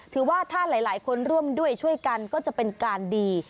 ถือว่าถ้าหลายคนร่วมด้วยช่วยกันก็จะเป็นการดี